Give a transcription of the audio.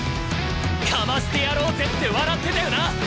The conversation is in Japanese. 「かましてやろうぜ」って笑ってたよな！